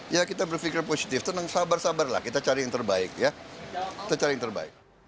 ya kita berpikir positif tenang sabar sabarlah kita cari yang terbaik ya kita cari yang terbaik